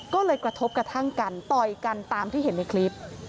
ก็เลยกระทบกระทั่งกันต่อยกันตามที่เห็นในคลิป